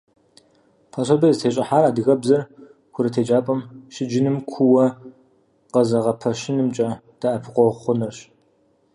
Пособиер зытещӀыхьар адыгэбзэр курыт еджапӀэм щыджыныр кууэ къызэгъэпэщынымкӀэ дэӀэпыкъуэгъу хъунырщ.